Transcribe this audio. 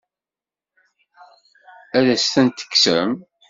Ad as-tent-tekksem?